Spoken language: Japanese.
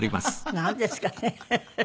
なんですかね？